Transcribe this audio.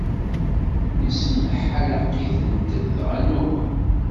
Yessemḥalaqiten, dɣa nnuɣen.